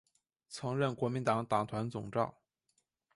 曾任国民党党团总召。